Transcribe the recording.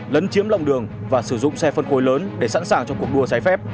lấn chiếm lòng đường và sử dụng xe phân khối lớn để sẵn sàng cho cuộc đua trái phép